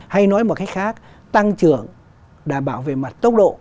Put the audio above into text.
hay nói một cách khác tăng trưởng đảm bảo về mặt tốc độ